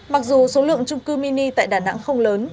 mặc dù số lượng trung cư mini tại đà nẵng không lớn